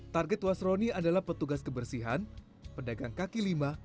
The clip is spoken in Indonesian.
target wasroni adalah petugas kebersihan pedagang kaki lima